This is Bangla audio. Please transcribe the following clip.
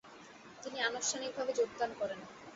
তিনি আনুষ্ঠানিকভাবে যোগদান করেন।